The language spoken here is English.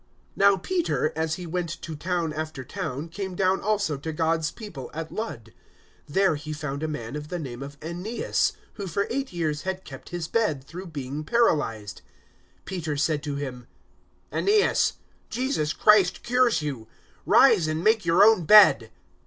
009:032 Now Peter, as he went to town after town, came down also to God's people at Lud. 009:033 There he found a man of the name of Aeneas, who for eight years had kept his bed, through being paralysed. 009:034 Peter said to him, "Aeneas, Jesus Christ cures you. Rise and make your own bed."